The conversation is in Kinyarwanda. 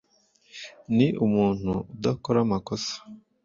Ni umuntu udakora amakosa.